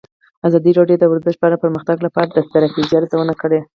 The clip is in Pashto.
ازادي راډیو د ورزش په اړه د پرمختګ لپاره د ستراتیژۍ ارزونه کړې.